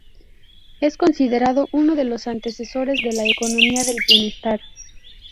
Es considerado uno de los antecesores de la economía del bienestar.